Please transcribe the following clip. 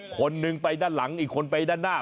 คนหนึ่งไปด้านหลังอีกคนไปด้านหน้า